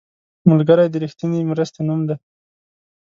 ملګری د رښتینې مرستې نوم دی